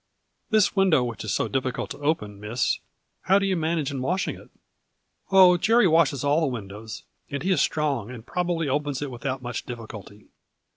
" This window which is so difficult to open, Miss, how do you manage in washing it ?"" Oh, Jerry washes all the windows, and he is strong and probably opens it without much difficulty."